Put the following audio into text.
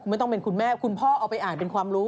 ไม่ต้องเป็นคุณแม่คุณพ่อเอาไปอ่านเป็นความรู้